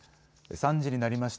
３時になりました。